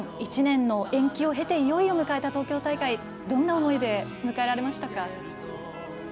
いよいよ迎えた東京大会どんな思いで迎えられましたか。